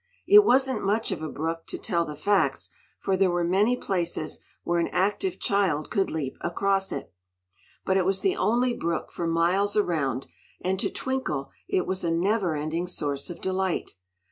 It wasn't much of a brook, to tell the facts, for there were many places where an active child could leap across it. But it was the only brook for miles around, and to Twinkle it was a never ending source of delight.